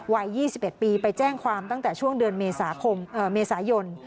วัย๒๑ปีไปแจ้งความตั้งแต่ช่วงเดือนเมษายน